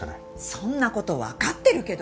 そんな事わかってるけど。